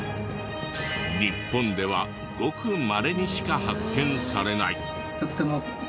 日本ではごくまれにしか発見されない。